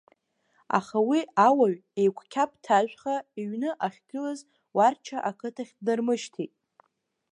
Аха уи ауаҩ еиқәқьаԥҭажәха иҩны ахьгылаз Уарча ақыҭахь днармышьҭит.